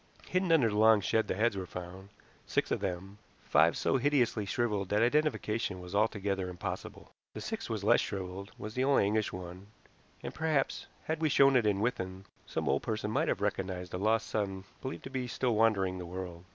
Hidden under the long shed the heads were found six of them, five so hideously shriveled that identification was altogether impossible. The sixth was less shriveled, was the only English one, and, perhaps, had we shown it in Withan, some old person might have recognized a lost son believed to be still wandering the world.